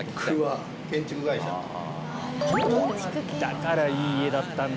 だからいい家だったんだ。